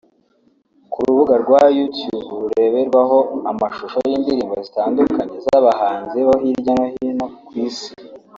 Ku rubuga rwa Youtube rureberwaho amashusho y’indirimbo zitandukanye z’abahanzi bo hirya no hino ku isi